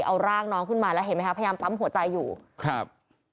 เอาร่างน้องขึ้นมาแล้วเห็นไหมคะพยายามปั๊มหัวใจอยู่ครับ